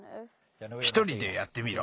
ひとりでやってみろ。